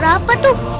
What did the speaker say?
luar apa tuh